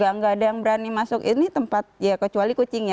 ya nggak ada yang berani masuk ini tempat ya kecuali kucing ya